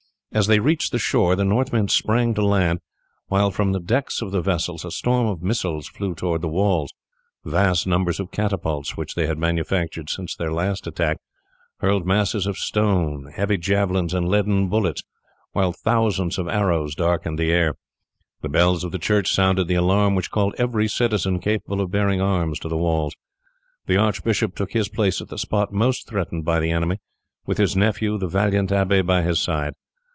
As they reached the shore the Northmen sprang to land, while from the decks of the vessels a storm of missiles flew towards the walls. Vast numbers of catapults, which they had manufactured since their last attack, hurled masses of stone, heavy javelins, and leaden bullets, while thousands of arrows darkened the air. The bells of the church sounded the alarm, which called every citizen capable of bearing arms to the walls. The archbishop took his place at the spot most threatened by the enemy, with his nephew, the valiant abbe, by his side.